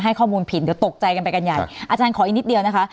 ข้อมูลผิดเดี๋ยวตกใจกันไปกันใหญ่อาจารย์ขออีกนิดเดียวนะคะ